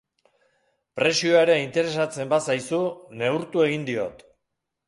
Presioa ere interesatzen bazaizu, neurtu egin diot.